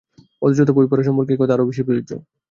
অথবা বই পড়া সম্পর্কে এই কথা আরও বেশি প্রযোজ্য।